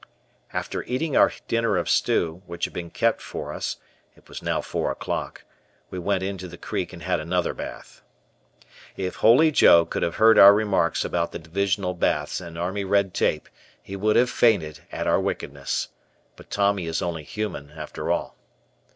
After eating our dinner of stew, which had been kept for us, it was now four o'clock, we went into the creek and had another bath. If "Holy Joe" could have heard our remarks about the Divisional Baths and army red tape, he would have fainted at our wickedness. But Tommy is only human after all.